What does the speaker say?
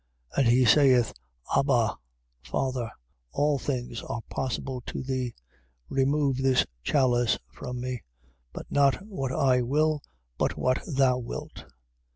14:36. And he saith: Abba, Father, all things are possible to thee: remove this chalice from me; but not what I will, but what thou wilt.